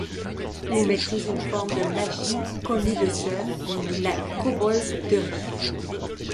Ils maîtrisent une forme de magie connu d'eux seuls, la Kobolderie.